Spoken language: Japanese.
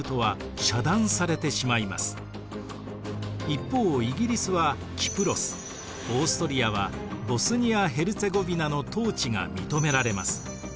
一方イギリスはキプロスオーストリアはボスニア・ヘルツェゴヴィナの統治が認められます。